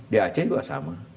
di aceh juga sama